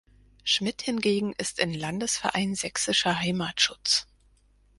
Schmidt hingegen ist in "Landesverein Sächsischer Heimatschutz.